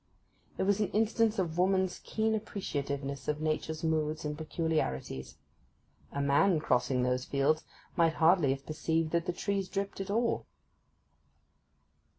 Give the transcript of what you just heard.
It was an instance of woman's keen appreciativeness of nature's moods and peculiarities: a man crossing those fields might hardly have perceived that the trees dripped at all.